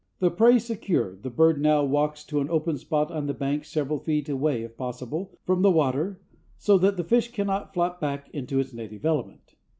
The prey secured, the bird now walks to an open spot on the bank several feet away, if possible, from the water so that the fish cannot flop back into its native element.